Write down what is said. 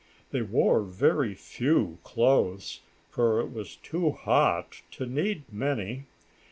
They wore very few clothes, for it was too hot to need many.